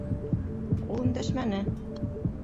Ул өндәшмәне.